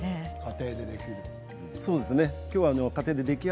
家庭でできる。